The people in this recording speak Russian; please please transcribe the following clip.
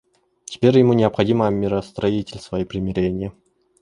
Теперь ему необходимо миростроительство и примирение.